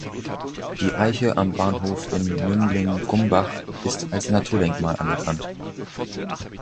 Die Eiche am Bahnhof in Mümling-Grumbach ist als Naturdenkmal anerkannt.